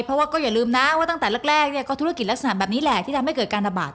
เพราะว่าก็อย่าลืมนะว่าตั้งแต่แรกเนี่ยก็ธุรกิจลักษณะแบบนี้แหละที่ทำให้เกิดการระบาด